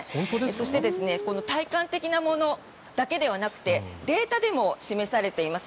そして体感的なものだけではなくてデータでも示されています